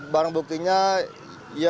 barang buktinya apa sih pak